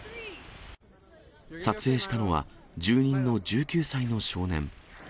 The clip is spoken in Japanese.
撮影したのは、住民の１９歳の少年。